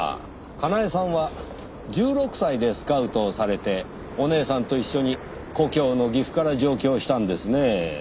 かなえさんは１６歳でスカウトをされてお姉さんと一緒に故郷の岐阜から上京したんですねぇ。